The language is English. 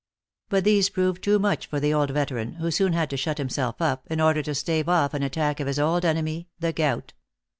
But these proved top much for the old veteran, who soon had to shut himself up, in order to stave off an attack of his old enemy, the gout.